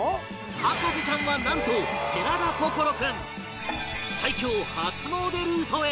博士ちゃんはなんと寺田心君